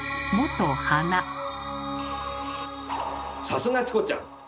さすがチコちゃん！